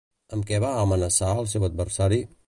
Amb què va amenaçar al seu adversari?